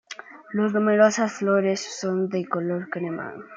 Las numerosas flores son de color crema.